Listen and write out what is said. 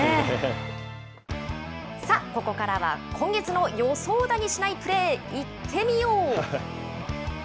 さあ、ここからは今月の予想だにしないプレー、いってみよう。